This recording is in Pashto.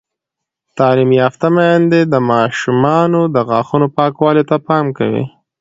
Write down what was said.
تعلیم یافته میندې د ماشومانو د غاښونو پاکوالي ته پام کوي.